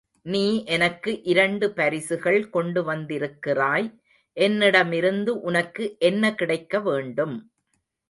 நீ எனக்கு இரண்டு பரிசுகள் கொண்டு வந்திருக்கிறாய், என்னிடமிருந்து உனக்கு என்ன கிடைக்கவேண்டும்.